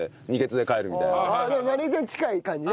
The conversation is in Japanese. でもマネージャーに近い感じね。